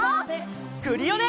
クリオネ！